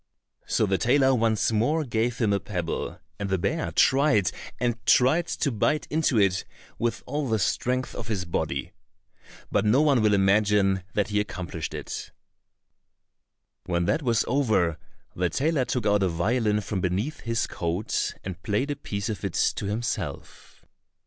So the tailor once more gave him a pebble, and the bear tried and tried to bite into it with all the strength of his body. But no one will imagine that he accomplished it. When that was over, the tailor took out a violin from beneath his coat, and played a piece of it to himself.